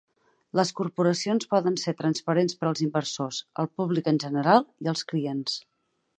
Les corporacions poden ser transparents per als inversors, el públic en general i els clients.